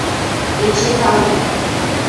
– Эче тау!